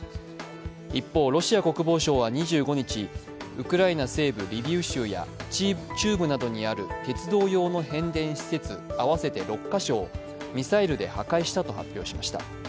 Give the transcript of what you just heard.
一方、ロシア国防省は２５日、ウクライナ西部リビウ州や中部などにある鉄道用の変電施設合わせて６カ所をミサイルで破壊したと発表しました。